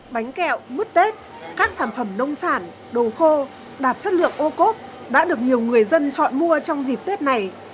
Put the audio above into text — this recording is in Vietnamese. bánh kẹo mứt tết các sản phẩm nông sản đồ khô đạt chất lượng ô cốt đã được nhiều người dân chọn mua trong dịp tết này